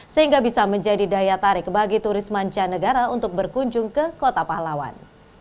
sehingga bisa menjadi daya tarik bagi turis mancanegara untuk berkunjung ke kota pahlawan